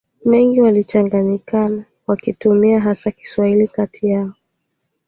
mengi walichanganyikana wakitumia hasa Kiswahili kati yao